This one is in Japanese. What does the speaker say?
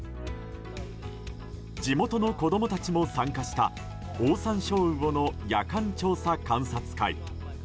地元の子供たちも参加したオオサンショウウオの夜間調査観察会。